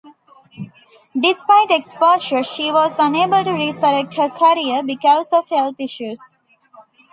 Despite exposure, she was unable to resurrect her career because of health issues.